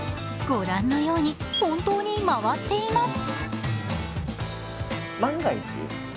御覧のように本当に回っています。